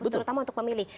terutama untuk pemilih